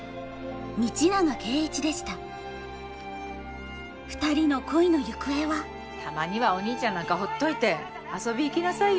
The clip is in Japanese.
道永圭一でしたたまにはお兄ちゃんなんかほっといて遊び行きなさいよ。